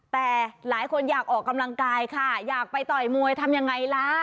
แต่หลายคนอยากออกกำลังกายค่ะอยากไปต่อยมวยทำยังไงล่ะ